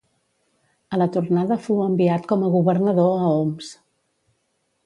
A la tornada fou enviat com a governador a Homs.